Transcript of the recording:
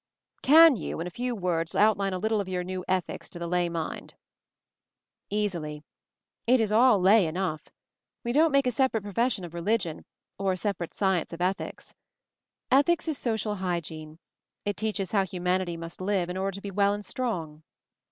"Can you, in a few words, outline a little of your new 'Ethics* to the lay mind?" "Easily. It is all 'lay' enough. We don't make a separate profession of religion, or a separate science of ethics. Ethics is social hygiene — it teaches how humanity must live in order to be well and strong.